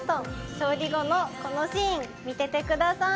勝利後のこのシーン」「見ててください！」